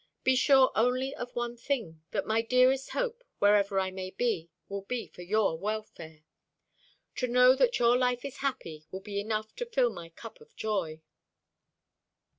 Be sure only of one thing that my dearest hope, wherever I may be, will be for your welfare. To know that your life is happy will be enough to fill my cup of joy."